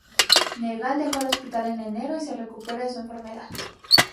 Nergal dejó el hospital en enero y se recupera de su enfermedad.